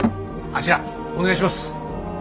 あちらお願いします。